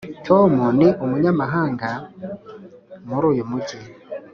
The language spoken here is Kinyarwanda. tom ni umunyamahanga muri uyu mujyi.